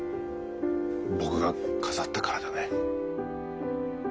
僕が飾ったからだね。